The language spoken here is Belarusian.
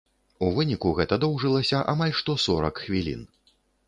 У выніку гэта доўжылася амаль што сорак хвілін.